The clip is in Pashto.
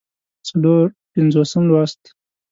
څلور پينځوسم لوست